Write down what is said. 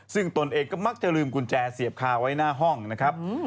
ซึ่งตนเองก็มักจะลืมกุญแจเสียบคาไว้หน้าห้องนะครับ